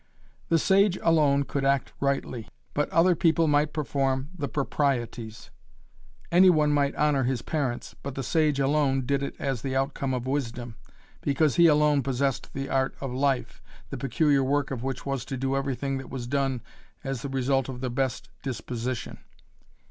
The sage alone could act rightly, but other people might perform "the proprieties." Any one might honor his parents, but the sage alone did it as the outcome of wisdom, because he alone possessed the art of life, the peculiar work of which was to do everything that was done as the result of the best disposition.